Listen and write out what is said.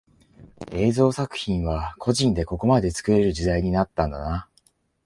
映像作品は個人でここまで作れる時代になったんだな